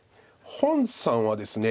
洪さんはですね